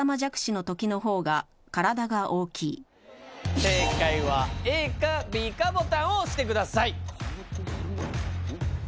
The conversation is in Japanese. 正解はＡかＢかボタンを押してください。